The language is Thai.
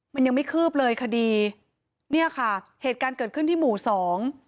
มันยังไม่คืบเลยคดีเนี่ยค่ะเหตุการณ์เกิดขึ้นที่หมู่สอง